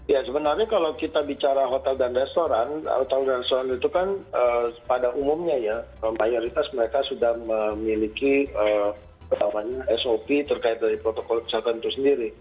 ya sebenarnya kalau kita bicara hotel dan restoran hotel restoran itu kan pada umumnya ya mayoritas mereka sudah memiliki sop terkait dari protokol kesehatan itu sendiri